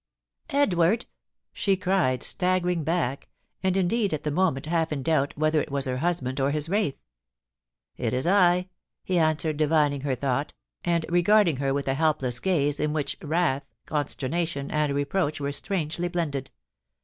* Edward,' she cried, staggering back, and indeed at the moment half in doubt whether it was her husband or his wraith. * It is I,' he answered, divining her thought, and regard ing her with a helpless gaze in which wrath, consternation, and reproach were strangely blended.